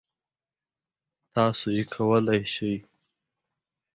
تاسو یې کولی شئ!